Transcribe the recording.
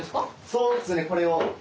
そうですねこれを。